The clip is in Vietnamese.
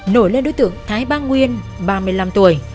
nổi lên đối tượng thái bang nguyên ba mươi năm tuổi